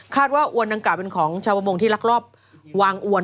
คาดว่าอวนนางกะเป็นของชาวบำงที่รักรอบวางอวน